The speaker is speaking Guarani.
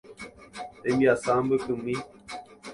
Tembiasa mbykymi.